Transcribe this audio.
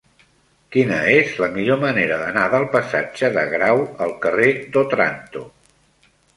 Quina és la millor manera d'anar del passatge de Grau al carrer d'Òtranto?